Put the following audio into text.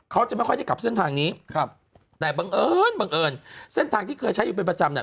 เขาจะไม่ค่อยได้กลับเส้นทางนี้ครับแต่บังเอิญบังเอิญเส้นทางที่เคยใช้อยู่เป็นประจำเนี่ย